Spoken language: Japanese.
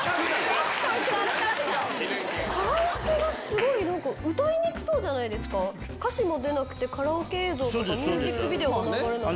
カラオケがすごい、なんか歌いにくそうじゃないですか、歌詞も出なくて、カラオケ映像とか、ミュージックビデオも流れなくて。